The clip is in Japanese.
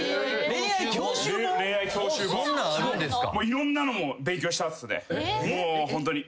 いろんなの勉強したっすね。